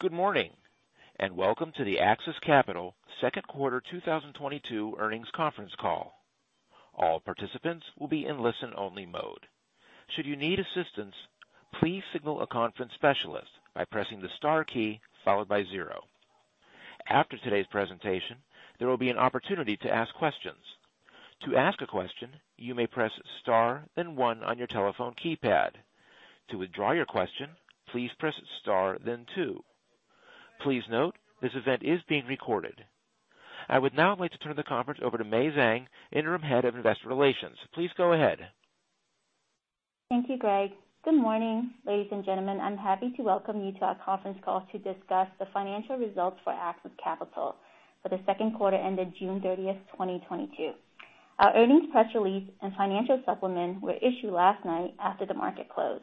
Good morning, and welcome to the AXIS Capital 2nd quarter 2022 earnings conference call. All participants will be in listen-only mode. Should you need assistance, please signal a conference specialist by pressing the star key followed by 0. After today's presentation, there will be an opportunity to ask questions. To ask a question, you may press star then 1 on your telephone keypad. To withdraw your question, please press star then 2. Please note, this event is being recorded. I would now like to turn the conference over to Mei Feng Zhang, Interim Head of Investor Relations. Please go ahead. Thank you, Greg. Good morning, ladies and gentlemen. I'm happy to welcome you to our conference call to discuss the financial results for AXIS Capital for the 2nd quarter ended June 30, 2022. Our earnings press release and financial supplement were issued last night after the market closed.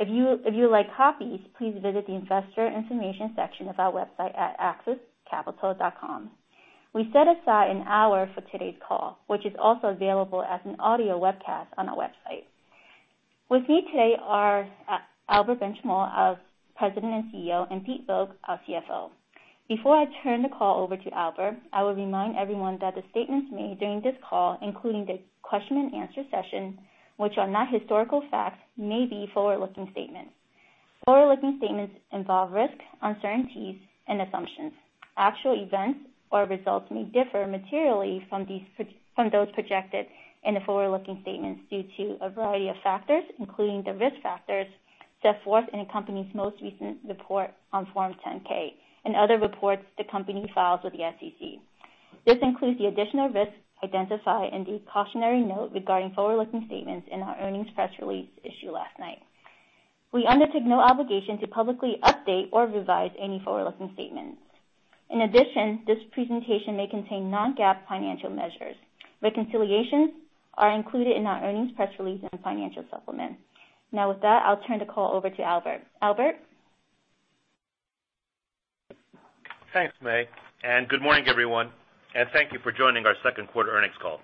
If you like copies, please visit the investor information section of our website at axiscapital.com. We set aside an hour for today's call, which is also available as an audio webcast on our website. With me today are Albert Benchimol, our President and CEO, and Peter Vogt, our CFO. Before I turn the call over to Albert, I will remind everyone that the statements made during this call, including the question and answer session, which are not historical facts, may be forward-looking statements. Forward-looking statements involve risks, uncertainties and assumptions. Actual events or results may differ materially from those projected in the forward-looking statements due to a variety of factors, including the risk factors set forth in the company's most recent report on Form 10-K and other reports the company files with the SEC. This includes the additional risks identified in the cautionary note regarding forward-looking statements in our earnings press release issued last night. We undertake no obligation to publicly update or revise any forward-looking statements. In addition, this presentation may contain non-GAAP financial measures. Reconciliations are included in our earnings press release and financial supplement. Now with that, I'll turn the call over to Albert. Albert? Thanks, Mei, and good morning, everyone, and thank you for joining our 2nd quarter earnings call.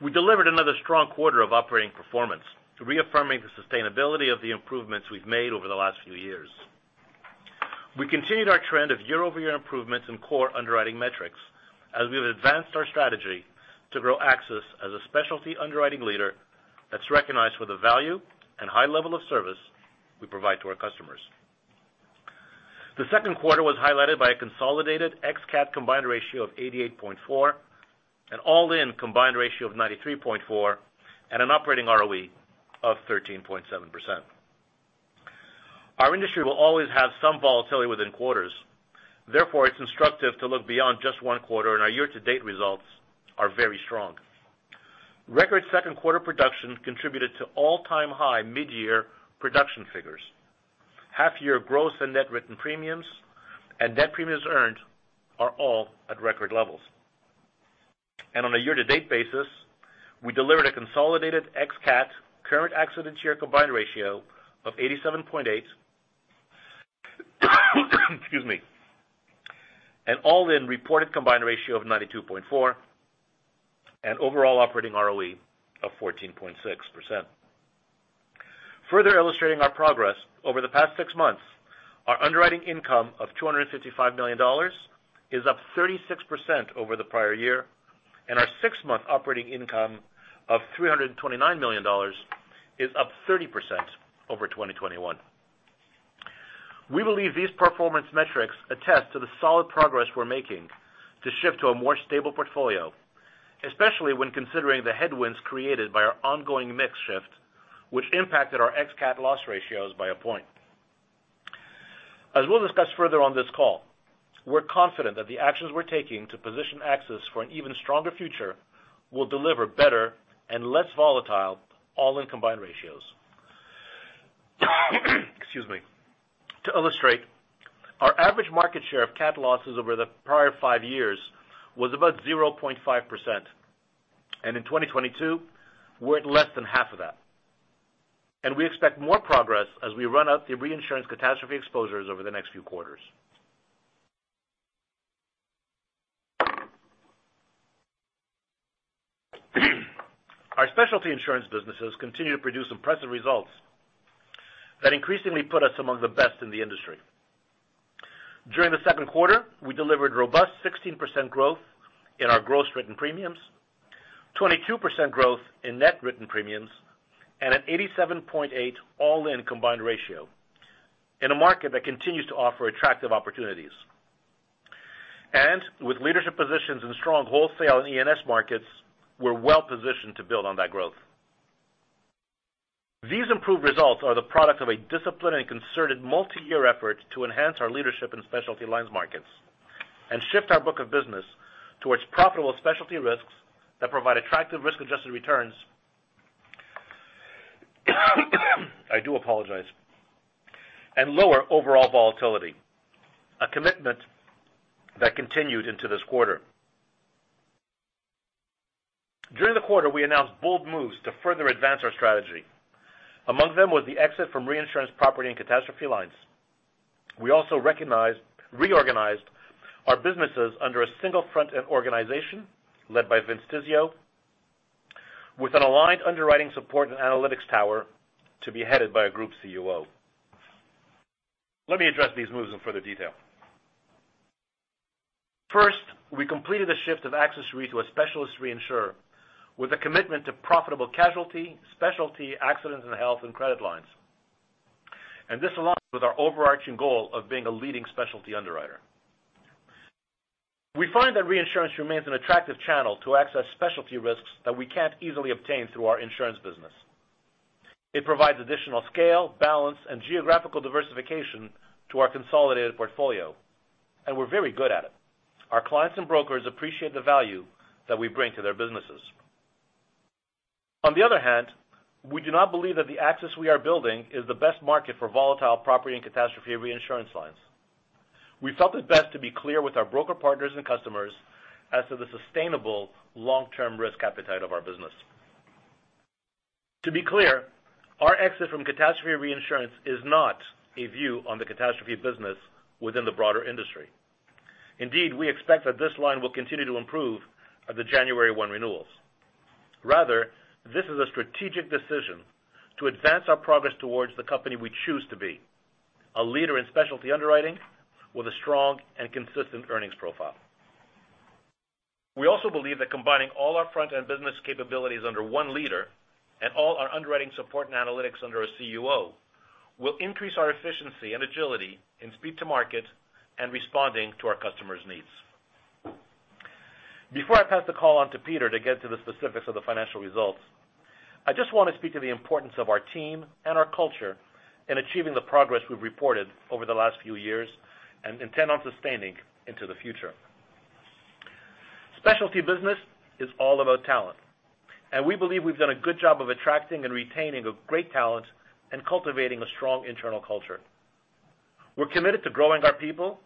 We delivered another strong quarter of operating performance, reaffirming the sustainability of the improvements we've made over the last few years. We continued our trend of year-over-year improvements in core underwriting metrics as we've advanced our strategy to grow AXIS as a specialty underwriting leader that's recognized for the value and high level of service we provide to our customers. The 2nd quarter was highlighted by a consolidated ex-CAT combined ratio of 88.4, an all-in combined ratio of 93.4, and an operating ROE of 13.7%. Our industry will always have some volatility within quarters. Therefore, it's instructive to look beyond just one quarter, and our year-to-date results are very strong. Record 2nd quarter production contributed to all-time high mid-year production figures. Half-year gross and net written premiums and net premiums earned are all at record levels. On a year-to-date basis, we delivered a consolidated ex-CAT current accident year combined ratio of 87.8. Excuse me. An all-in reported combined ratio of 92.4, and overall operating ROE of 14.6%. Further illustrating our progress, over the past 6 months, our underwriting income of $255 million is up 36% over the prior year, and our 6 month operating income of $329 million is up 30% over 2021. We believe these performance metrics attest to the solid progress we're making to shift to a more stable portfolio, especially when considering the headwinds created by our ongoing mix shift, which impacted our ex-CAT loss ratios by a point. As we'll discuss further on this call, we're confident that the actions we're taking to position AXIS for an even stronger future will deliver better and less volatile all-in combined ratios. Excuse me. To illustrate, our average market share of CAT losses over the prior five years was about 0.5%, and in 2022, we're at less than half of that. We expect more progress as we run out the reinsurance catastrophe exposures over the next few quarters. Our specialty insurance businesses continue to produce impressive results that increasingly put us among the best in the industry. During the 2nd quarter, we delivered robust 16% growth in our gross written premiums, 22% growth in net written premiums, and an 87.8 all-in combined ratio in a market that continues to offer attractive opportunities. With leadership positions in strong wholesale and E&S markets, we're well-positioned to build on that growth. These improved results are the product of a disciplined and concerted multi-year effort to enhance our leadership in specialty lines markets and shift our book of business towards profitable specialty risks that provide attractive risk-adjusted returns. I do apologize. Lower overall volatility, a commitment that continued into this quarter. During the quarter, we announced bold moves to further advance our strategy. Among them was the exit from reinsurance property and catastrophe lines. We also reorganized our businesses under a single front-end organization led by Vince Tizzio. With an aligned underwriting support and analytics tower to be headed by a group COO. Let me address these moves in further detail. First, we completed the shift of AXIS Re to a specialist reinsurer with a commitment to profitable casualty, specialty, accident and health, and credit lines. This aligns with our overarching goal of being a leading specialty underwriter. We find that reinsurance remains an attractive channel to access specialty risks that we can't easily obtain through our insurance business. It provides additional scale, balance, and geographical diversification to our consolidated portfolio, and we're very good at it. Our clients and brokers appreciate the value that we bring to their businesses. On the other hand, we do not believe that the AXIS we are building is the best market for volatile property and catastrophe reinsurance lines. We felt it best to be clear with our broker partners and customers as to the sustainable long-term risk appetite of our business. To be clear, our exit from catastrophe reinsurance is not a view on the catastrophe business within the broader industry. Indeed, we expect that this line will continue to improve at the January 1 renewals. Rather, this is a strategic decision to advance our progress towards the company we choose to be: a leader in specialty underwriting with a strong and consistent earnings profile. We also believe that combining all our front-end business capabilities under one leader and all our underwriting support and analytics under a COO will increase our efficiency and agility in speed to market and responding to our customers' needs. Before I pass the call on to Peter to get to the specifics of the financial results, I just want to speak to the importance of our team and our culture in achieving the progress we've reported over the last few years and intend on sustaining into the future. Specialty business is all about talent, and we believe we've done a good job of attracting and retaining a great talent and cultivating a strong internal culture. We're committed to growing our people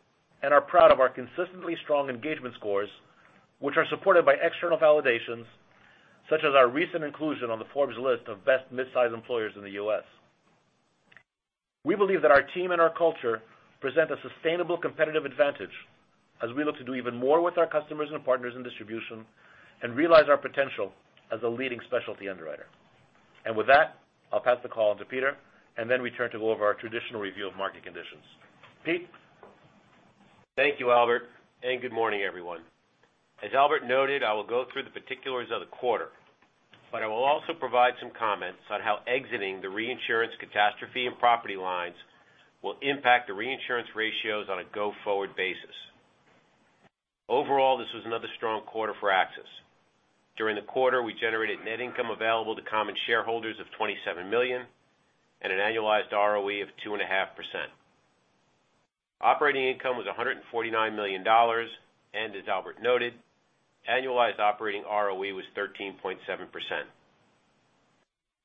and are proud of our consistently strong engagement scores, which are supported by external validations, such as our recent inclusion on the Forbes list of best mid-size employers in the U.S. We believe that our team and our culture present a sustainable competitive advantage as we look to do even more with our customers and partners in distribution and realize our potential as a leading specialty underwriter. With that, I'll pass the call on to Peter, and then return to go over our traditional review of market conditions. Peter? Thank you, Albert, and good morning, everyone. As Albert noted, I will go through the particulars of the quarter, but I will also provide some comments on how exiting the reinsurance catastrophe and property lines will impact the reinsurance ratios on a go-forward basis. Overall, this was another strong quarter for AXIS. During the quarter, we generated net income available to common shareholders of $27 million and an annualized ROE of 2.5%. Operating income was $149 million. As Albert noted, annualized operating ROE was 13.7%.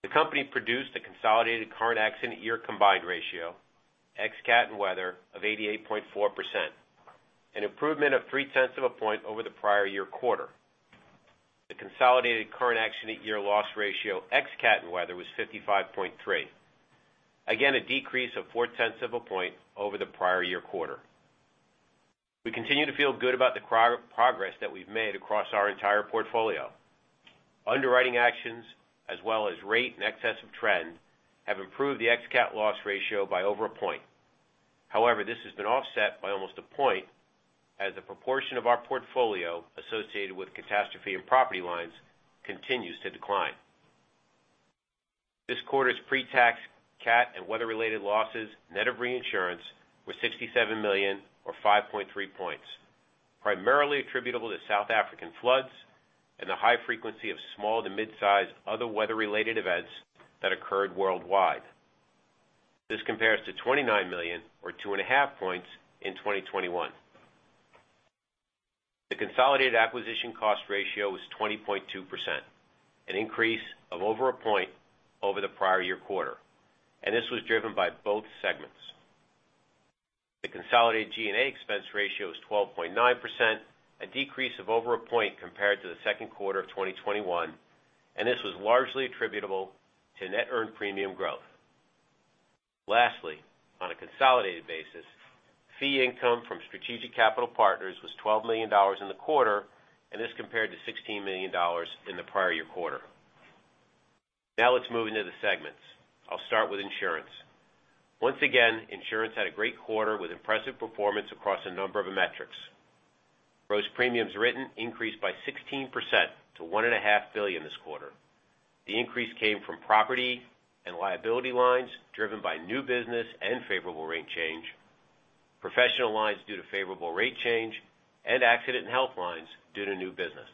The company produced a consolidated current accident year combined ratio, ex cat and weather, of 88.4%, an improvement of three-tenths of a point over the prior year quarter. The consolidated current accident year loss ratio, ex cat and weather, was 55.3%. Again, a decrease of 0.4 of a point over the prior year quarter. We continue to feel good about the progress that we've made across our entire portfolio. Underwriting actions as well as rate and excess of trend have improved the ex CAT loss ratio by over 1 point. However, this has been offset by almost 1 point as a proportion of our portfolio associated with catastrophe and property lines continues to decline. This quarter's pre-tax CAT and weather-related losses, net of reinsurance, were $67 million or 5.3 points, primarily attributable to South African floods and the high frequency of small to mid-size other weather-related events that occurred worldwide. This compares to $29 million or 2.5 points in 2021. The consolidated acquisition cost ratio was 20.2%, an increase of over a point over the prior year quarter, and this was driven by both segments. The consolidated G&A expense ratio is 12.9%, a decrease of over a point compared to the 2nd quarter of 2021, and this was largely attributable to net earned premium growth. Lastly, on a consolidated basis, fee income from strategic capital partners was $12 million in the quarter, and this compared to $16 million in the prior year quarter. Now let's move into the segments. I'll start with insurance. Once again, insurance had a great quarter with impressive performance across a number of metrics. Gross premiums written increased by 16% to $1.5 billion this quarter. The increase came from Property and Liability lines driven by new business and favorable rate change, Professional Lines due to favorable rate change, and Accident and Health lines due to new business.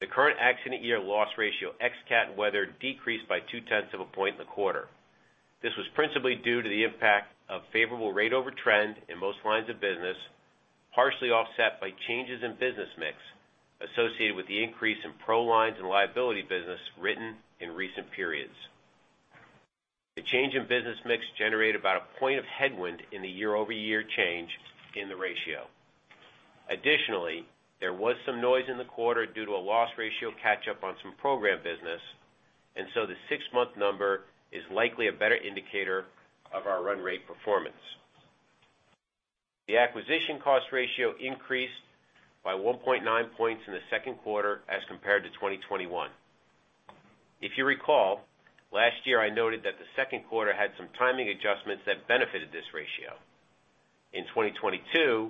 The current accident year loss ratio, ex-CAT and weather, decreased by 2-10's of a point in the quarter. This was principally due to the impact of favorable rate over trend in most lines of business, partially offset by changes in business mix associated with the increase in pro lines and liability business written in recent periods. The change in business mix generated about a point of headwind in the year-over-year change in the ratio. Additionally, there was some noise in the quarter due to a loss ratio catch up on some program business, and so the 6 month number is likely a better indicator of our run rate performance. The acquisition cost ratio increased by 1.9 points in the 2nd quarter as compared to 2021. If you recall, last year I noted that the 2nd quarter had some timing adjustments that benefited this ratio. In 2022,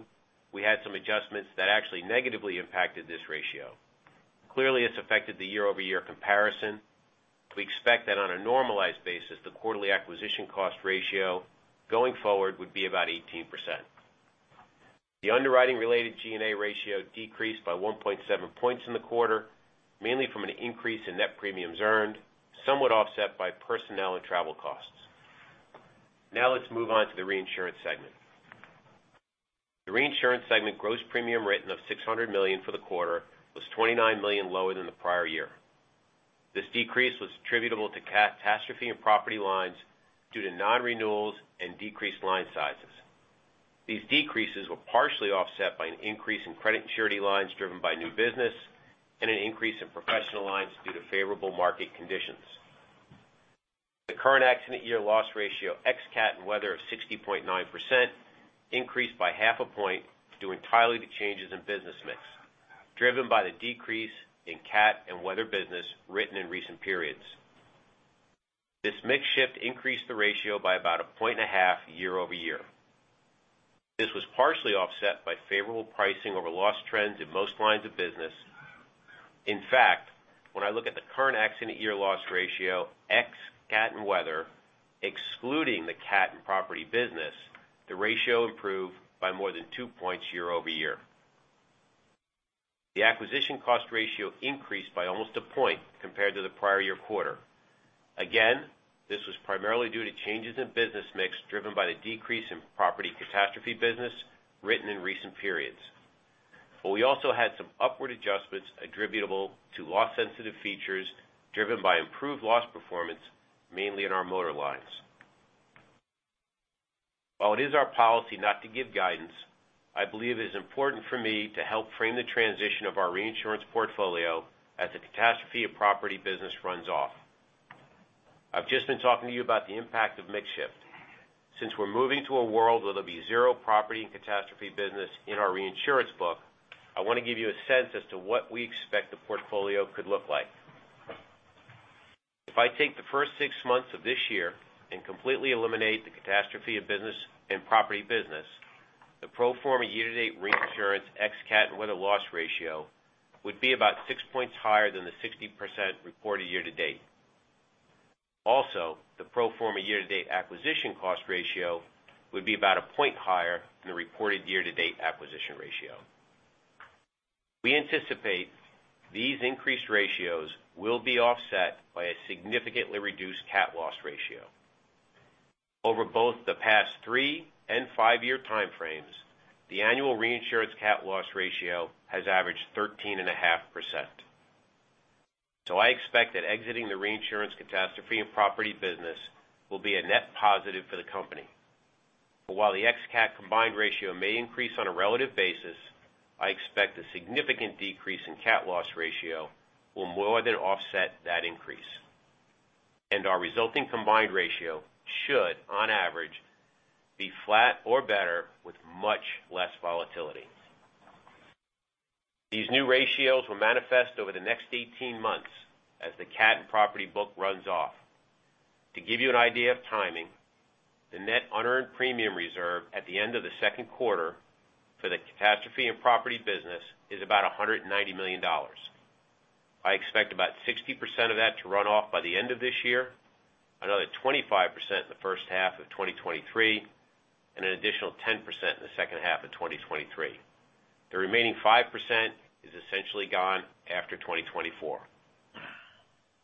we had some adjustments that actually negatively impacted this ratio. Clearly, it's affected the year-over-year comparison. We expect that on a normalized basis, the quarterly acquisition cost ratio going forward would be about 18%. The underwriting-related G&A ratio decreased by 1.7 points in the quarter, mainly from an increase in net premiums earned, somewhat offset by personnel and travel costs. Now let's move on to the reinsurance segment. The reinsurance segment gross premium written of $600 million for the quarter was $29 million lower than the prior year. This decrease was attributable to catastrophe and property lines due to non-renewals and decreased line sizes. These decreases were partially offset by an increase in credit and surety lines driven by new business and an increase in professional lines due to favorable market conditions. The current accident year loss ratio, ex cat and weather of 60.9%, increased by 0.5 point due entirely to changes in business mix, driven by the decrease in cat and weather business written in recent periods. This mix shift increased the ratio by about 1.5 points year-over-year. This was partially offset by favorable pricing over loss trends in most lines of business. In fact, when I look at the current accident year loss ratio, ex CAT and weather, excluding the CAT and property business, the ratio improved by more than 2 points year-over-year. The acquisition cost ratio increased by almost a point compared to the prior-year quarter. Again, this was primarily due to changes in business mix driven by the decrease in property catastrophe business written in recent periods. We also had some upward adjustments attributable to loss-sensitive features driven by improved loss performance, mainly in our motor lines. While it is our policy not to give guidance, I believe it is important for me to help frame the transition of our reinsurance portfolio as the property catastrophe business runs off. I've just been talking to you about the impact of mix shift. Since we're moving to a world where there'll be zero property and catastrophe business in our reinsurance book, I want to give you a sense as to what we expect the portfolio could look like. If I take the first six months of this year and completely eliminate the catastrophe and property business, the pro forma year-to-date reinsurance ex cat and weather loss ratio would be about six points higher than the 60% reported year-to-date. Also, the pro forma year-to-date acquisition cost ratio would be about a point higher than the reported year-to-date acquisition ratio. We anticipate these increased ratios will be offset by a significantly reduced cat loss ratio. Over both the past 3- and 5-year time frames, the annual reinsurance cat loss ratio has averaged 13.5%. I expect that exiting the reinsurance catastrophe and property business will be a net positive for the company. While the ex-CAT combined ratio may increase on a relative basis, I expect a significant decrease in CAT loss ratio will more than offset that increase. Our resulting combined ratio should, on average, be flat or better with much less volatility. These new ratios will manifest over the next 18 months as the CAT and property book runs off. To give you an idea of timing, the net unearned premium reserve at the end of the 2nd quarter for the catastrophe and property business is about $190 million. I expect about 60% of that to run off by the end of this year, another 25% in the first half of 2023, and an additional 10% in the second half of 2023. The remaining 5% is essentially gone after 2024.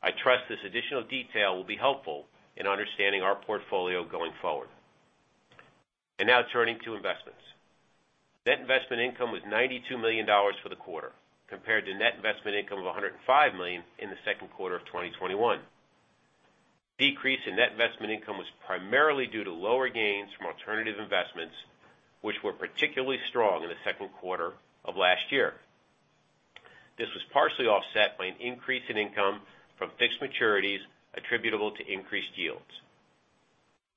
I trust this additional detail will be helpful in understanding our portfolio going forward. Now turning to investments. Net investment income was $92 million for the quarter, compared to net investment income of $105 million in the 2nd quarter of 2021. Decrease in net investment income was primarily due to lower gains from alternative investments, which were particularly strong in the 2nd quarter of last year. This was partially offset by an increase in income from fixed maturities attributable to increased yields.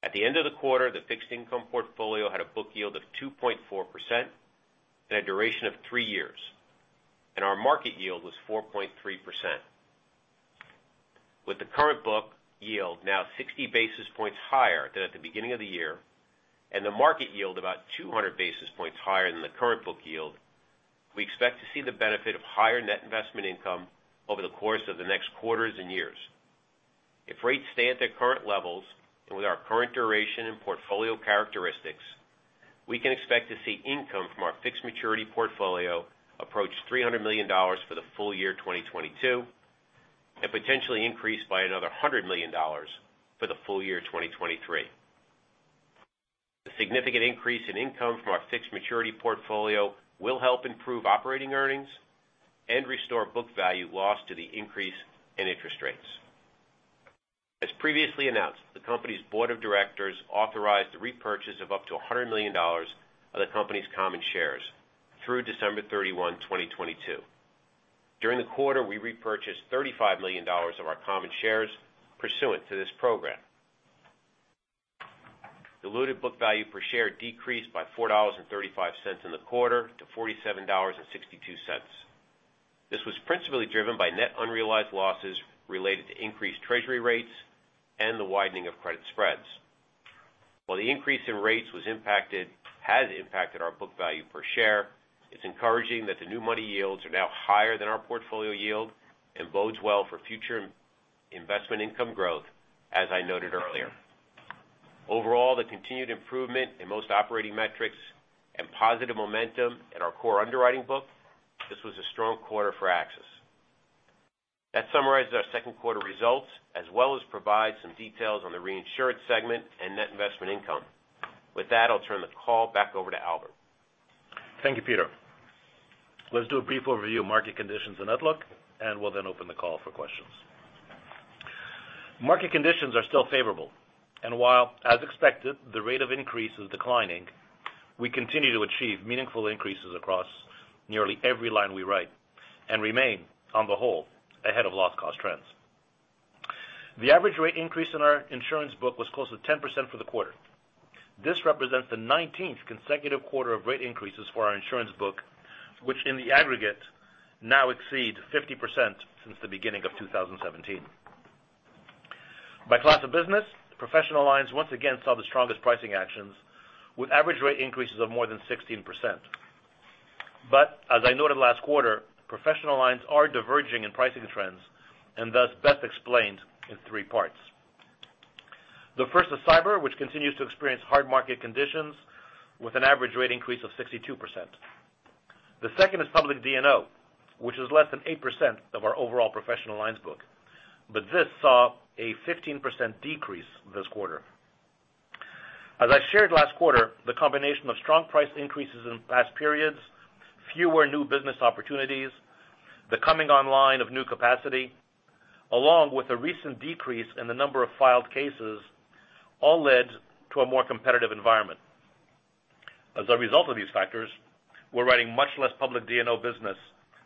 At the end of the quarter, the fixed income portfolio had a book yield of 2.4% and a duration of 3 years, and our market yield was 4.3%. With the current book yield now 60 basis points higher than at the beginning of the year and the market yield about 200 basis points higher than the current book yield, we expect to see the benefit of higher net investment income over the course of the next quarters and years. If rates stay at their current levels, and with our current duration and portfolio characteristics, we can expect to see income from our fixed maturity portfolio approach $300 million for the full year 2022, and potentially increase by another $100 million for the full year 2023. The significant increase in income from our fixed maturity portfolio will help improve operating earnings and restore book value lost to the increase in interest rates. As previously announced, the company's board of directors authorized the repurchase of up to $100 million of the company's common shares through December 31, 2022. During the quarter, we repurchased $35 million of our common shares pursuant to this program. Diluted book value per share decreased by $4.35 in the quarter to $47.62. This was principally driven by net unrealized losses related to increased treasury rates and the widening of credit spreads. While the increase in rates has impacted our book value per share, it's encouraging that the new money yields are now higher than our portfolio yield and bodes well for future investment income growth, as I noted earlier. Overall, the continued improvement in most operating metrics and positive momentum in our core underwriting book, this was a strong quarter for AXIS. That summarizes our 2nd quarter results, as well as provides some details on the reinsurance segment and net investment income. With that, I'll turn the call back over to Albert. Thank you, Peter. Let's do a brief overview of market conditions and outlook, and we'll then open the call for questions. Market conditions are still favorable. While, as expected, the rate of increase is declining, we continue to achieve meaningful increases across nearly every line we write and remain, on the whole, ahead of loss cost trends. The average rate increase in our insurance book was close to 10% for the quarter. This represents the nineteenth consecutive quarter of rate increases for our insurance book, which in the aggregate now exceeds 50% since the beginning of 2017. By class of business, Professional Lines once again saw the strongest pricing actions with average rate increases of more than 16%. As I noted last quarter, Professional Lines are diverging in pricing trends and thus best explained in three parts. The first is cyber, which continues to experience hard market conditions with an average rate increase of 62%. The second is public D&O, which is less than 8% of our overall Professional Lines book, but this saw a 15% decrease this quarter. As I shared last quarter, the combination of strong price increases in past periods, fewer new business opportunities, the coming online of new capacity, along with a recent decrease in the number of filed cases, all led to a more competitive environment. As a result of these factors, we're writing much less public D&O business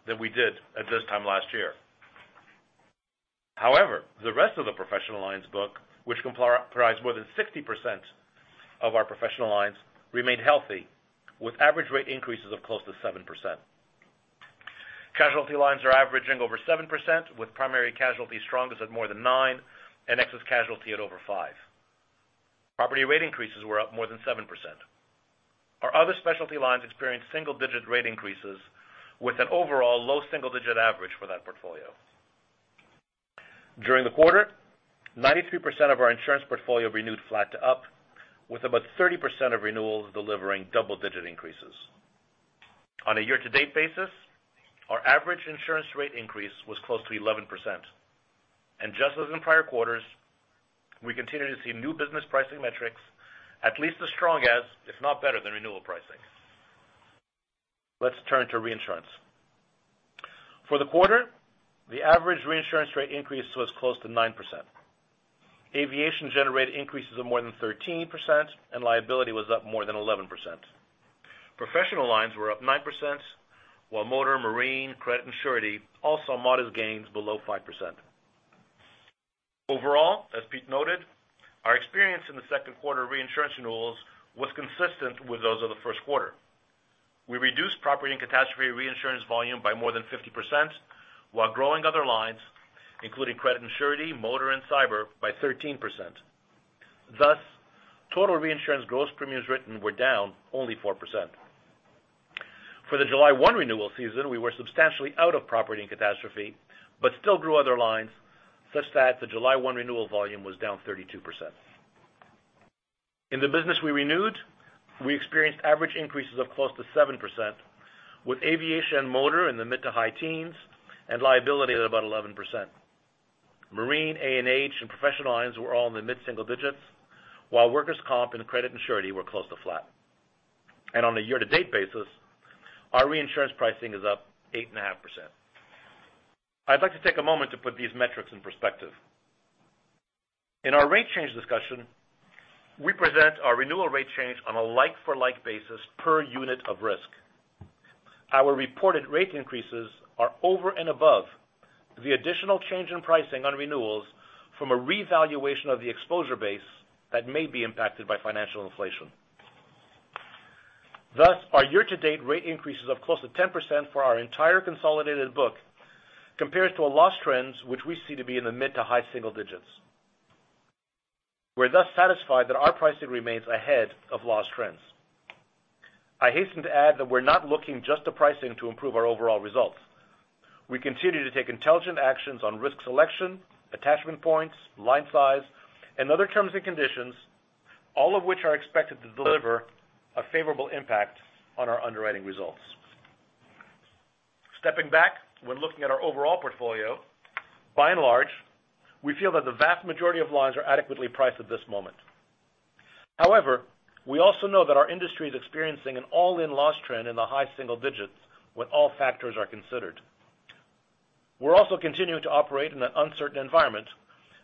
than we did at this time last year. However, the rest of the Professional Lines book, which comprise more than 60% of our Professional Lines, remained healthy, with average rate increases of close to 7%. Casualty lines are averaging over 7%, with primary casualty strongest at more than 9%, and excess casualty at over 5%. Property rate increases were up more than 7%. Our other specialty lines experienced single-digit rate increases with an overall low single-digit average for that portfolio. During the quarter, 93% of our insurance portfolio renewed flat to up, with about 30% of renewals delivering double-digit increases. On a year-to-date basis, our average insurance rate increase was close to 11%. Just as in prior quarters, we continue to see new business pricing metrics at least as strong as, if not better than, renewal pricing. Let's turn to reinsurance. For the quarter, the average reinsurance rate increase was close to 9%. Aviation generated increases of more than 13%, and liability was up more than 11%. Professional lines were up 9%, while motor, marine, credit, and surety all saw modest gains below 5%. Overall, as Pete noted, our experience in the 2nd quarter reinsurance renewals was consistent with those of the first quarter. We reduced property and catastrophe reinsurance volume by more than 50% while growing other lines, including credit and surety, motor, and cyber, by 13%. Thus, total reinsurance gross premiums written were down only 4%. For the July 1 renewal season, we were substantially out of property and catastrophe, but still grew other lines such that the July 1 renewal volume was down 32%. In the business we renewed, we experienced average increases of close to 7%, with aviation and motor in the mid to high teens and liability at about 11%. Marine, A&H, and professional lines were all in the mid-single digits, while workers' comp and credit and surety were close to flat. On a year-to-date basis, our reinsurance pricing is up 8.5%. I'd like to take a moment to put these metrics in perspective. In our rate change discussion, we present our renewal rate change on a like-for-like basis per unit of risk. Our reported rate increases are over and above the additional change in pricing on renewals from a revaluation of the exposure base that may be impacted by financial inflation. Thus, our year-to-date rate increase is up close to 10% for our entire consolidated book, compared to our loss trends, which we see to be in the mid to high single digits. We're thus satisfied that our pricing remains ahead of loss trends. I hasten to add that we're not looking just to pricing to improve our overall results. We continue to take intelligent actions on risk selection, attachment points, line size, and other terms and conditions, all of which are expected to deliver a favorable impact on our underwriting results. Stepping back, when looking at our overall portfolio, by and large, we feel that the vast majority of lines are adequately priced at this moment. However, we also know that our industry is experiencing an all-in loss trend in the high single digits when all factors are considered. We're also continuing to operate in an uncertain environment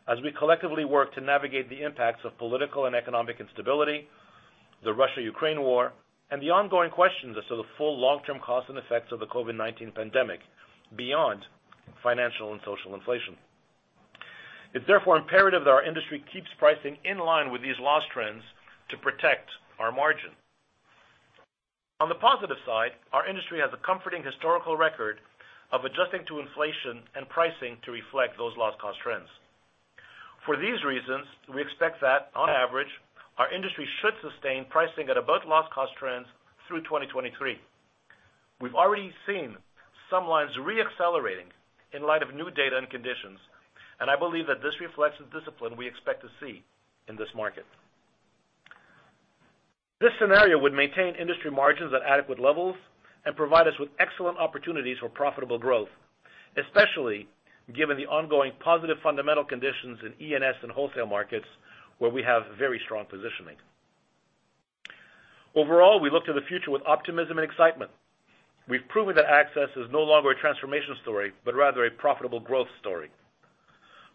as we collectively work to navigate the impacts of political and economic instability. The Russia-Ukraine war and the ongoing questions as to the full long-term costs and effects of the COVID-19 pandemic beyond financial and social inflation. It's therefore imperative that our industry keeps pricing in line with these loss trends to protect our margin. On the positive side, our industry has a comforting historical record of adjusting to inflation and pricing to reflect those loss cost trends. For these reasons, we expect that, on average, our industry should sustain pricing at above loss cost trends through 2023. We've already seen some lines re-accelerating in light of new data and conditions, and I believe that this reflects the discipline we expect to see in this market. This scenario would maintain industry margins at adequate levels and provide us with excellent opportunities for profitable growth, especially given the ongoing positive fundamental conditions in E&S and wholesale markets where we have very strong positioning. Overall, we look to the future with optimism and excitement. We've proven that AXIS is no longer a transformation story, but rather a profitable growth story.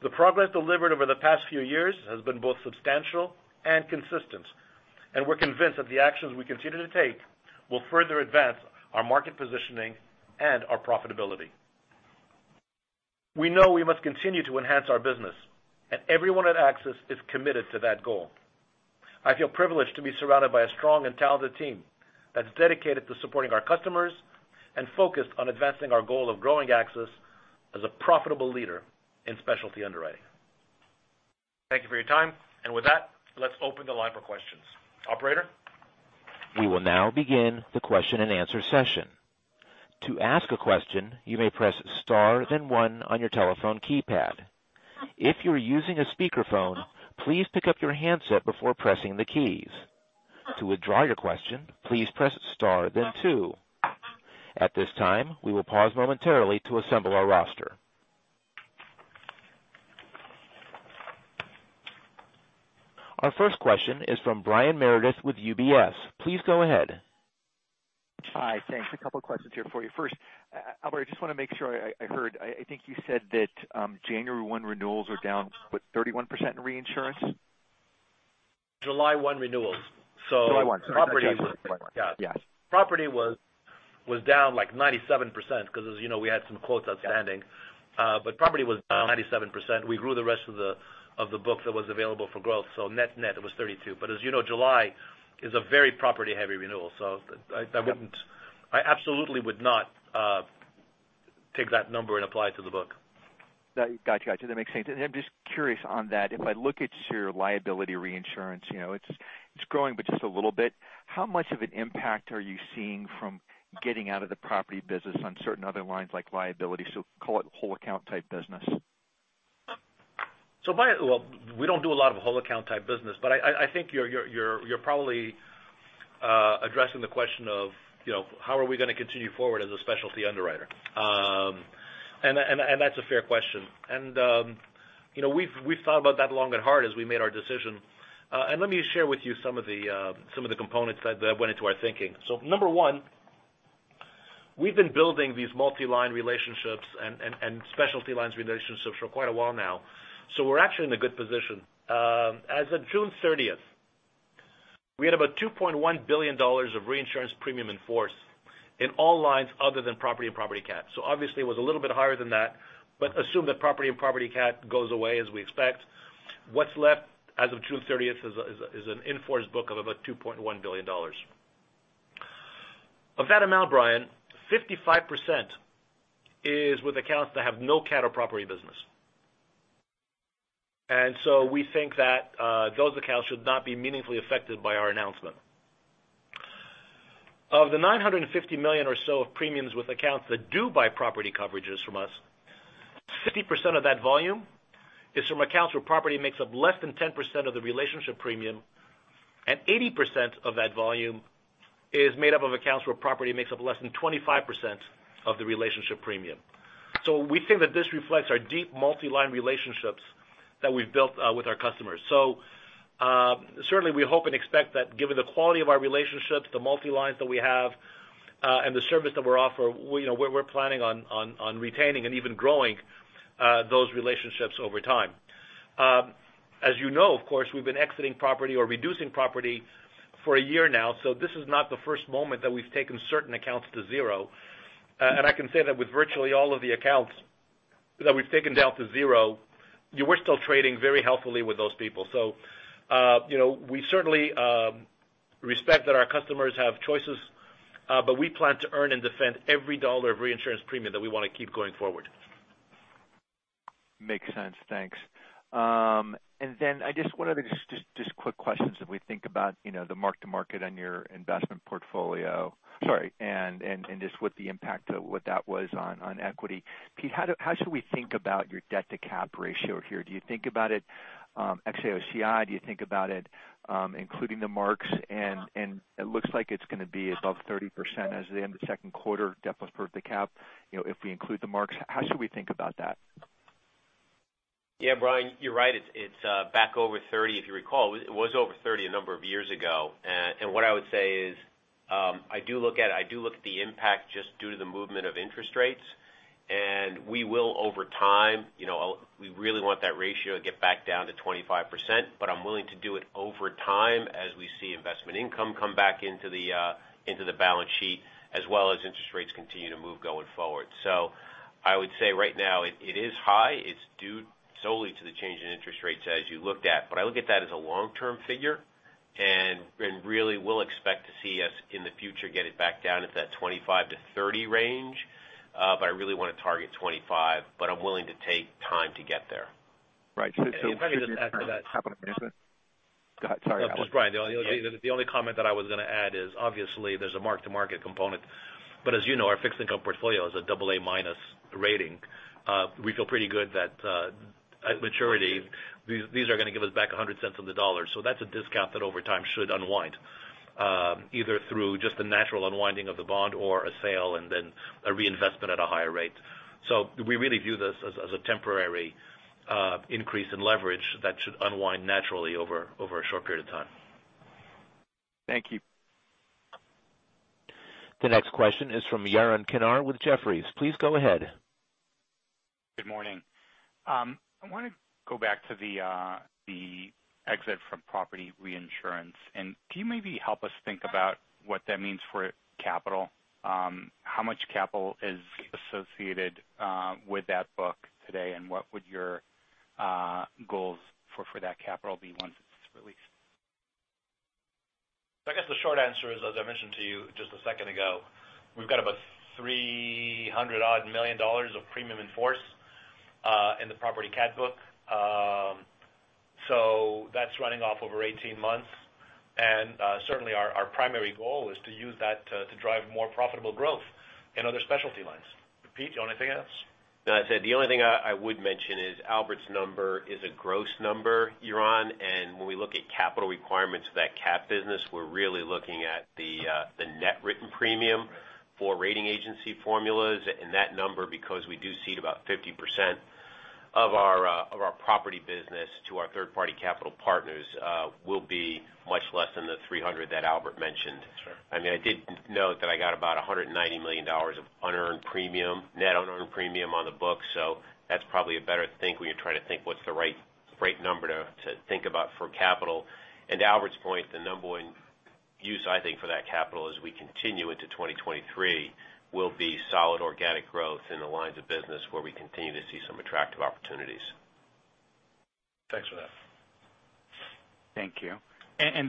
The progress delivered over the past few years has been both substantial and consistent, and we're convinced that the actions we continue to take will further advance our market positioning and our profitability. We know we must continue to enhance our business, and everyone at AXIS is committed to that goal. I feel privileged to be surrounded by a strong and talented team that's dedicated to supporting our customers and focused on advancing our goal of growing AXIS as a profitable leader in specialty underwriting. Thank you for your time. With that, let's open the line for questions. Operator? We will now begin the question-and-answer session. To ask a question, you may press star, then 1 on your telephone keypad. If you're using a speakerphone, please pick up your handset before pressing the keys. To withdraw your question, please press star then 2. At this time, we will pause momentarily to assemble our roster. Our first question is from Brian Meredith with UBS. Please go ahead. Hi. Thanks. A couple of questions here for you. First, Albert, I just wanna make sure I heard. I think you said that January 1 renewals are down 31% in reinsurance. July 1 renewals. July one. Property was- Yes. Property was down like 97% because as you know, we had some quotes outstanding. Property was down 97%. We grew the rest of the book that was available for growth. Net net, it was 32%. As you know, July is a very property-heavy renewal, so I wouldn't- I absolutely would not take that number and apply it to the book. Got you. That makes sense. I'm just curious on that. If I look at your liability reinsurance, you know, it's growing, but just a little bit. How much of an impact are you seeing from getting out of the property business on certain other lines like liability, so call it whole account type business? Well, we don't do a lot of whole account type business, but I think you're probably addressing the question of, you know, how are we gonna continue forward as a specialty underwriter? That's a fair question. You know, we've thought about that long and hard as we made our decision. Let me share with you some of the components that went into our thinking. Number one, we've been building these multi-line relationships and specialty lines relationships for quite a while now. We're actually in a good position. As of June thirtieth, we had about $2.1 billion of reinsurance premium in force in all lines other than property and property cat. Obviously it was a little bit higher than that. Assume that property and property CAT goes away as we expect, what's left as of June thirtieth is an in-force book of about $2.1 billion. Of that amount, Brian, 55% is with accounts that have no CAT or property business. We think that those accounts should not be meaningfully affected by our announcement. Of the $950 million or so of premiums with accounts that do buy property coverages from us, 50% of that volume is from accounts where property makes up less than 10% of the relationship premium, and 80% of that volume is made up of accounts where property makes up less than 25% of the relationship premium. We think that this reflects our deep multi-line relationships that we've built with our customers. Certainly we hope and expect that given the quality of our relationships, the multi-lines that we have, and the service that we're offering, we, you know, we're planning on retaining and even growing those relationships over time. As you know, of course, we've been exiting property or reducing property for a year now, so this is not the first moment that we've taken certain accounts to zero. I can say that with virtually all of the accounts that we've taken down to 0, we're still trading very healthily with those people. You know, we certainly respect that our customers have choices, but we plan to earn and defend every dollar of reinsurance premium that we wanna keep going forward. Makes sense. Thanks. I just wanted to just quick questions as we think about, you know, the mark-to-market on your investment portfolio- Sorry. Just what the impact of what that was on equity. Pete, how should we think about your debt-to-cap ratio here? Do you think about it ex AOCI? Do you think about it including the marks? It looks like it's gonna be above 30% as of the end of the 2nd quarter, debt plus pref to cap, you know, if we include the marks. How should we think about that? Yeah, Brian, you're right. It's back over 30%. If you recall, it was over 30% a number of years ago. What I would say is I do look at the impact just due to the movement of interest rates, and we will over time, you know, we really want that ratio to get back down to 25%, but I'm willing to do it over time as we see investment income come back into the balance sheet, as well as interest rates continue to move going forward. I would say right now it is high. It's due solely to the change in interest rates as you looked at. I look at that as a long-term figure and really we'll expect to see us in the future get it back down at that 25%-30% range. I really wanna target 25, but I'm willing to take time to get there. Right. If I may just add to that. Go ahead. Sorry, Albert. Just Brian. The only comment that I was gonna add is obviously there's a mark to market component. As you know, our fixed income portfolio is a double A minus rating. We feel pretty good that at maturity, these are gonna give us back a hundred cents on the dollar. That's a discount that over time should unwind, either through just the natural unwinding of the bond or a sale, and then a reinvestment at a higher rate. We really view this as a temporary increase in leverage that should unwind naturally over a short period of time. Thank you. The next question is from Yaron Kinar with Jefferies. Please go ahead. Good morning. I wanna go back to the exit from property reinsurance. Can you maybe help us think about what that means for capital? How much capital is associated with that book today, and what would your goals for that capital be once it's released? I guess the short answer is, as I mentioned to you just a second ago, we've got about $300-odd million of premium in force in the property CAT book. So that's running off over 18 months. Certainly our primary goal is to use that to drive more profitable growth in other specialty lines. Pete, anything else? No. I'd say the only thing I would mention is Albert's number is a gross number, Yaron, and when we look at capital requirements for that cat business, we're really looking at the net written premium for rating agency formulas. That number, because we do cede about 50% of our property business to our third party capital partners, will be much less than the $300 that Albert mentioned. Sure. I mean, I did note that I got about $190 million of unearned premium, net unearned premium on the books. That's probably a better thing when you're trying to think what's the right number to think about for capital. Albert's point, the number one use, I think, for that capital as we continue into 2023, will be solid organic growth in the lines of business where we continue to see some attractive opportunities. Thanks for that. Thank you.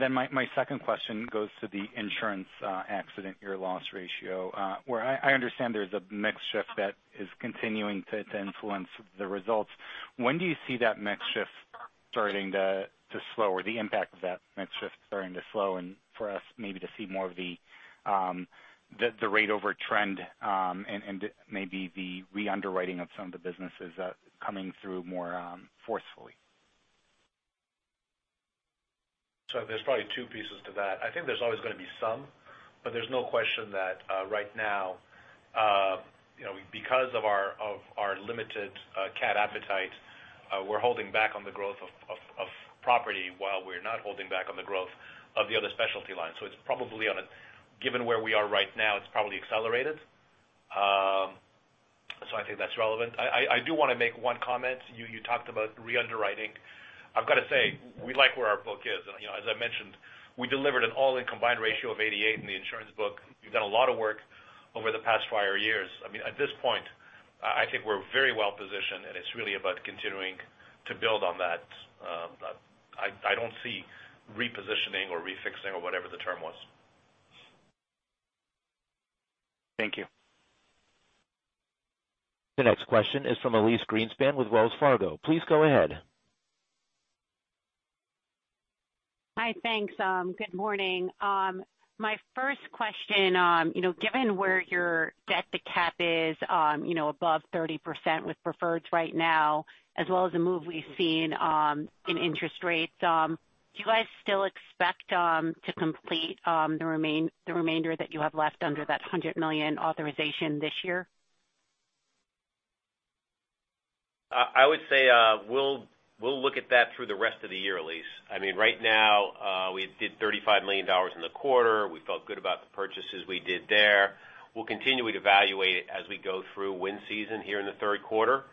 My second question goes to the insurance accident year loss ratio, where I understand there's a mix shift that is continuing to influence the results. When do you see that mix shift starting to slow or the impact of that mix shift starting to slow, and for us maybe to see more of the rate over trend and maybe the re-underwriting of some of the businesses coming through more forcefully? There's probably 2 pieces to that. I think there's always gonna be some, but there's no question that, right now, you know, because of our limited cat appetite, we're holding back on the growth of property while we're not holding back on the growth of the other specialty lines. It's probably on a given where we are right now, it's probably accelerated. I think that's relevant. I do wanna make one comment. You talked about re-underwriting. I've gotta say, we like where our book is. You know, as I mentioned, we delivered an all-in combined ratio of 88% in the insurance book. We've done a lot of work over the past prior years. I mean, at this point, I think we're very well positioned, and it's really about continuing to build on that. I don't see repositioning or refixing or whatever the term was. Thank you. The next question is from Elyse Greenspan with Wells Fargo. Please go ahead. Hi. Thanks. Good morning. My first question, you know, given where your debt to cap is, you know, above 30% with preferred right now, as well as the move we've seen, in interest rates, do you guys still expect to complete the remainder that you have left under that $100 million authorization this year? I would say we'll look at that through the rest of the year, Elyse. I mean, right now, we did $35 million in the quarter. We felt good about the purchases we did there. We'll continue to evaluate it as we go through wind season here in the third quarter.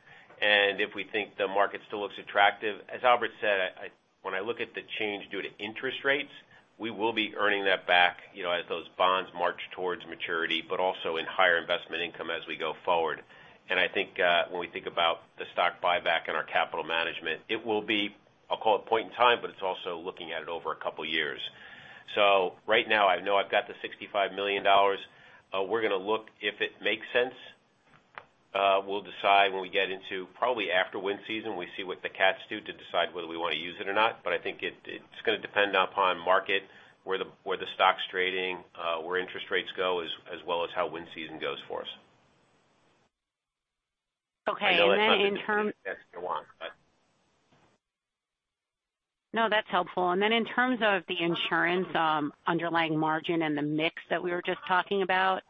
If we think the market still looks attractive, as Albert said, when I look at the change due to interest rates, we will be earning that back, you know, as those bonds march towards maturity, but also in higher investment income as we go forward. I think, when we think about the stock buyback and our capital management, it will be, I'll call it point in time, but it's also looking at it over a couple years. Right now I know I've got the $65 million. We're gonna look if it makes sense. We'll decide when we get into probably after wind season, we see what the cats do to decide whether we wanna use it or not. I think it's gonna depend upon market, where the stock's trading, where interest rates go, as well as how wind season goes for us. Okay. I know that's not the complete answer you want, but. No, that's helpful. In terms of the insurance, underlying margin and the mix that we were just talking about,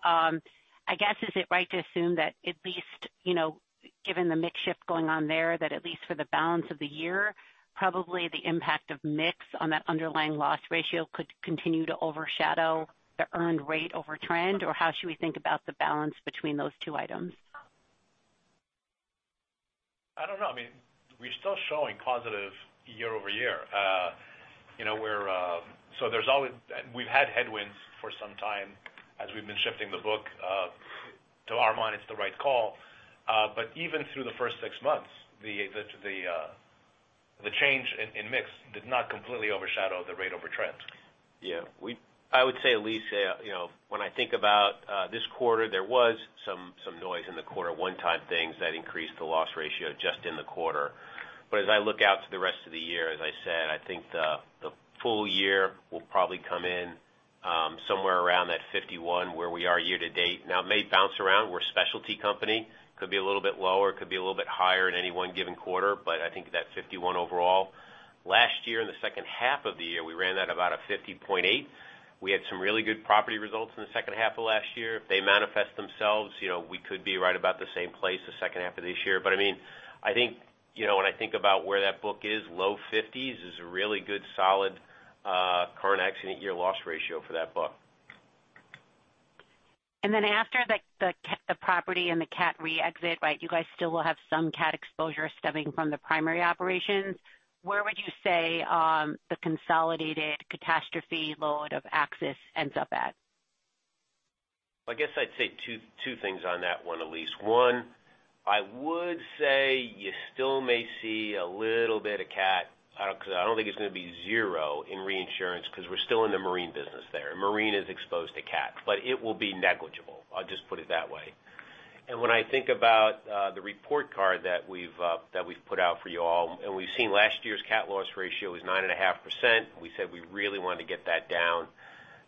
I guess, is it right to assume that at least, you know, given the mix shift going on there, that at least for the balance of the year, probably the impact of mix on that underlying loss ratio could continue to overshadow the earned rate over trend. How should we think about the balance between those 2 items? I don't know. I mean, we're still showing positive year-over-year. You know, we've had headwinds for some time as we've been shifting the book. To our mind, it's the right call. But even through the first six months, the change in mix did not completely overshadow the rate over trend. Yeah, I would say, Elyse, you know, when I think about this quarter, there was some noise in the quarter, one-time things that increased the loss ratio just in the quarter. As I look out to the rest of the year, as I said, I think the full year will probably come in somewhere around that 51% where we are year to date. Now, it may bounce around, we're a specialty company, could be a little bit lower, could be a little bit higher in any one given quarter, but I think that 51% overall. Last year, in the second half of the year, we ran at about a 50.8%. We had some really good property results in the second half of last year. If they manifest themselves, you know, we could be right about the same place the second half of this year. I mean, I think, you know, when I think about where that book is, low 50s% is a really good, solid, current accident year loss ratio for that book. After the property and the CAT re-exit, right, you guys still will have some CAT exposure stemming from the primary operations. Where would you say the consolidated catastrophe load of AXIS ends up at? I guess I'd say 2 things on that one, Elyse. One, I would say you still may see a little bit of CAT, 'cause I don't think it's gonna be zero in reinsurance 'cause we're still in the marine business there, and marine is exposed to CAT. It will be negligible, I'll just put it that way. When I think about the report card that we've put out for you all, and we've seen last year's CAT loss ratio was 9.5%. We said we really wanted to get that down,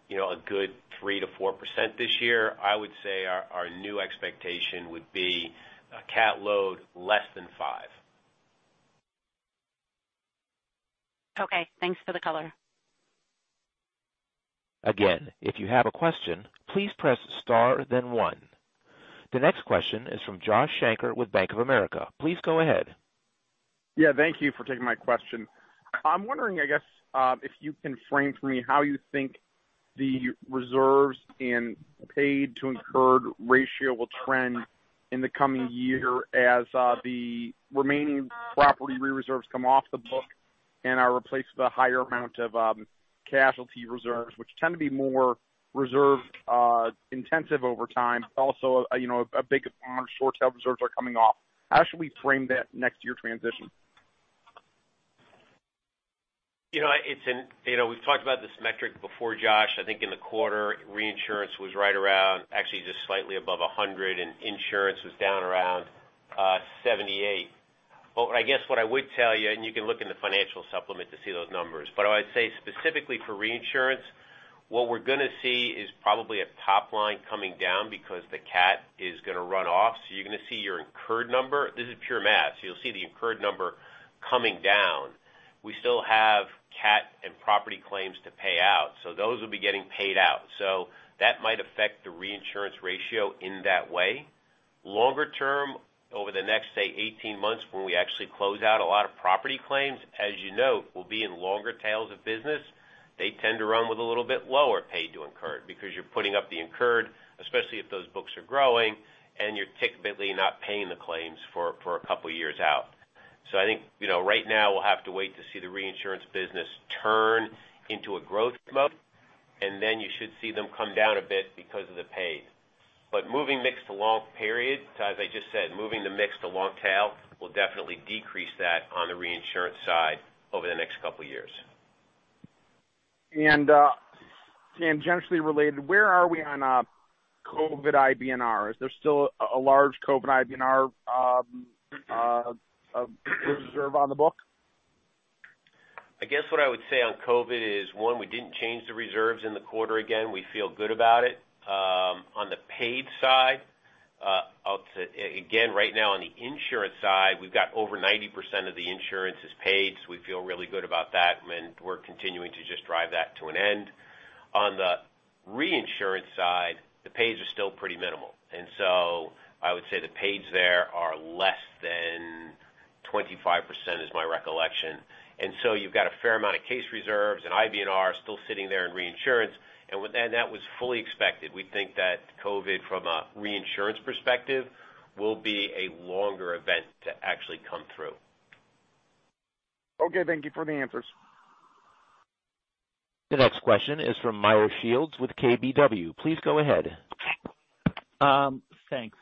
you know, a good 3%-4% this year. I would say our new expectation would be a CAT load less than 5%. Okay. Thanks for the color. Again, if you have a question, please press star then one. The next question is from Joshua Shanker with Bank of America. Please go ahead. Yeah, thank you for taking my question. I'm wondering, I guess, if you can frame for me how you think the reserves and paid to incurred ratio will trend in the coming year as the remaining property re-reserves come off the book and are replaced with a higher amount of casualty reserves, which tend to be more reserve intensive over time. Also, you know, a big amount of short tail reserves are coming off. How should we frame that next year transition? You know, we've talked about this metric before, Josh. I think in the quarter, reinsurance was right around actually just slightly above 100%, and insurance was down around 78%. I guess what I would tell you, and you can look in the financial supplement to see those numbers, but I'd say specifically for reinsurance, what we're gonna see is probably a top line coming down because the cat is gonna run off. You're gonna see your incurred number. This is pure math, so you'll see the incurred number coming down. We still have cat and property claims to pay out, so those will be getting paid out. That might affect the reinsurance ratio in that way. Longer term, over the next, say, 18 months, when we actually close out a lot of property claims, as you note, we'll be in longer tails of business. They tend to run with a little bit lower paid to incurred because you're putting up the incurred, especially if those books are growing and you're technically not paying the claims for a couple of years out. I think, you know, right now we'll have to wait to see the reinsurance business turn into a growth mode, and then you should see them come down a bit because of the paid. Moving mix to long periods, as I just said, moving the mix to long tail will definitely decrease that on the reinsurance side over the next couple of years. Tangentially related, where are we on COVID IBNR? Is there still a large COVID IBNR reserve on the book? I guess what I would say on COVID is, one, we didn't change the reserves in the quarter. Again, we feel good about it. On the paid side, I'll say again, right now on the insurance side, we've got over 90% of the insurance is paid, so we feel really good about that, and we're continuing to just drive that to an end. On the reinsurance side, the pays are still pretty minimal, and I would say the pays there are less than 25%, is my recollection. You've got a fair amount of case reserves and IBNR still sitting there in reinsurance, and that was fully expected. We think that COVID from a reinsurance perspective will be a longer event to actually come through. Okay, thank you for the answers. The next question is from Meyer Shields with KBW. Please go ahead. Thanks.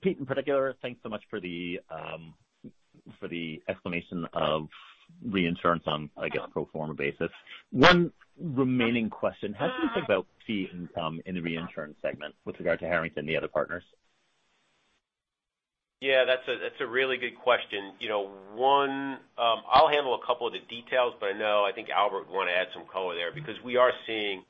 Peter in particular, thanks so much for the explanation of reinsurance on, I guess, pro forma basis. One remaining question. How do you think about fee income in the reinsurance segment with regard to Harrington, the other partners? Yeah, that's a really good question. You know, I'll handle a couple of the details, but I know I think Albert would want to add some color there because we are seeing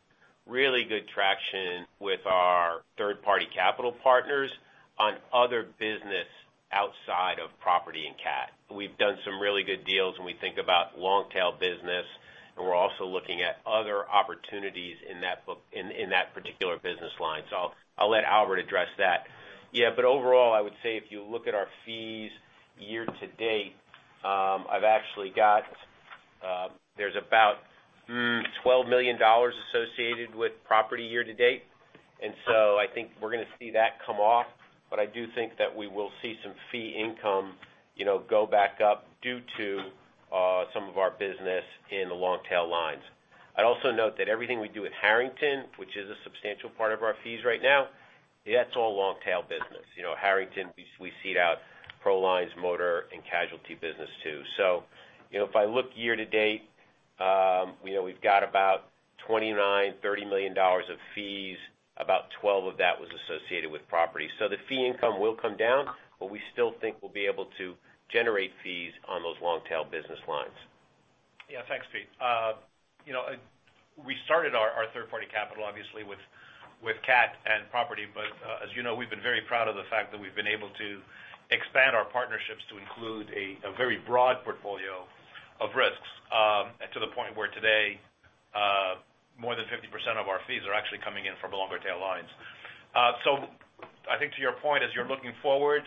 really good traction with our third-party capital partners on other business outside of property and cat. We've done some really good deals when we think about long-tail business, and we're also looking at other opportunities in that book in that particular business line. So I'll let Albert address that. Yeah, but overall, I would say if you look at our fees year to date, there's about $12 million associated with property year to date. So I think we're gonna see that come off. I do think that we will see some fee income, you know, go back up due to some of our business in the long-tail lines. I'd also note that everything we do at Harrington Re, which is a substantial part of our fees right now, that's all long tail business. You know, Harrington Re, we seed out pro lines, motor and casualty business too. You know, if I look year to date, we've got about $29-$30 million of fees. About 12 of that was associated with property. The fee income will come down, but we still think we'll be able to generate fees on those long-tail business lines. Yeah. Thanks, Pete. We started our third-party capital, obviously with CAT and property. As you know, we've been very proud of the fact that we've been able to expand our partnerships to include a very broad portfolio of risks, to the point where today, more than 50% of our fees are actually coming in from longer tail lines. I think to your point, as you're looking forward,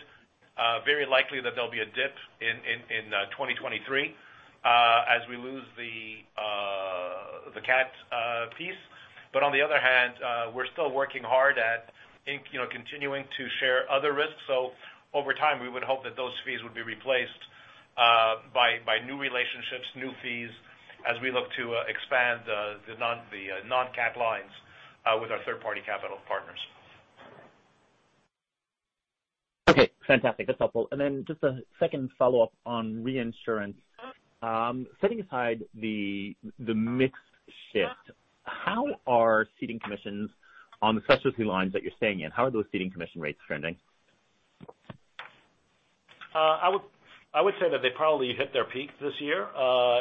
very likely that there'll be a dip in 2023, as we lose the CAT piece. On the other hand, we're still working hard, you know, continuing to share other risks. Over time, we would hope that those fees would be replaced by new relationships, new fees, as we look to expand the non-cat lines with our third-party capital partners. Okay, fantastic. That's helpful. Just a second follow-up on reinsurance. Setting aside the mix shift, how are ceding commissions on the specialty lines that you're staying in, how are those ceding commission rates trending? I would say that they probably hit their peak this year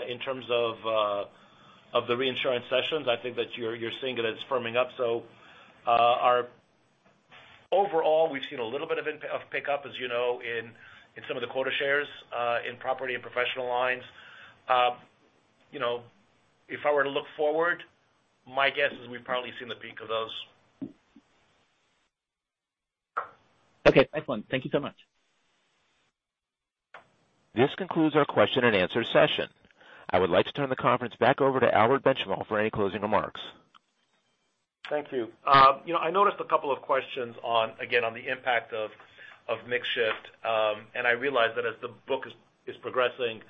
in terms of the reinsurance seasons. I think that you're seeing it as firming up. Overall, we've seen a little bit of pickup, as you know, in some of the quota shares in Property and Professional Lines. You know, if I were to look forward, my guess is we've probably seen the peak of those. Okay. Excellent. Thank you so much. This concludes our question and answer session. I would like to turn the conference back over to Albert Benchimol for any closing remarks. Thank you. You know, I noticed a couple of questions on, again, on the impact of mix shift. I realize that as the book is progressing,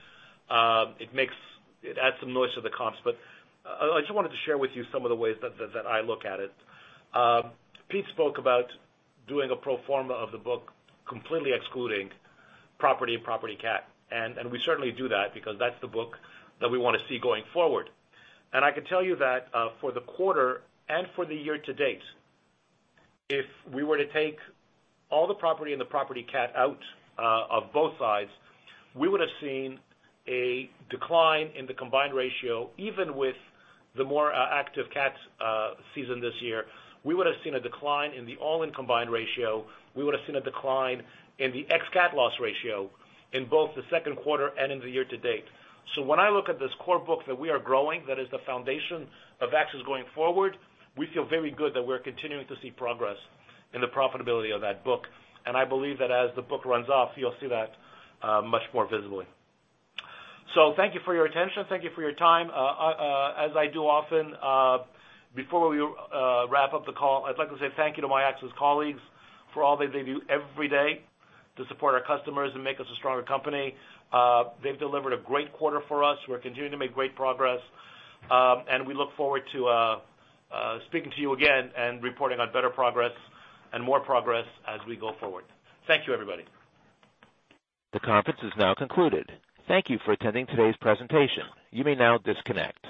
it adds some noise to the comps. I just wanted to share with you some of the ways that I look at it. Pete spoke about doing a pro forma of the book, completely excluding property and property cat. We certainly do that because that's the book that we wanna see going forward. I can tell you that for the quarter and for the year to date, if we were to take all the property and the property cat out of both sides, we would have seen a decline in the combined ratio. Even with the more active CAT season this year, we would have seen a decline in the all-in combined ratio. We would have seen a decline in the ex-CAT loss ratio in both the 2nd quarter and in the year to date. When I look at this core book that we are growing, that is the foundation of AXIS going forward, we feel very good that we're continuing to see progress in the profitability of that book. I believe that as the book runs off, you'll see that much more visibly. Thank you for your attention. Thank you for your time. As I do often before we wrap up the call, I'd like to say thank you to my AXIS colleagues for all they do every day to support our customers and make us a stronger company. They've delivered a great quarter for us. We're continuing to make great progress. We look forward to speaking to you again and reporting on better progress and more progress as we go forward. Thank you, everybody. The conference is now concluded. Thank you for attending today's presentation. You may now disconnect.